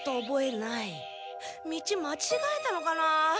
道まちがえたのかなあ。